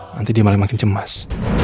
nanti dia malah makin cemas